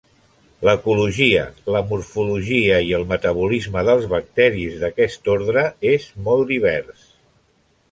L'ecologia, la morfologia i el metabolisme dels bacteris d'aquest ordre és molt divers.